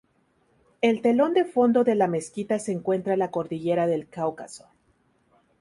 El telón de fondo de la mezquita se encuentra la cordillera del Cáucaso.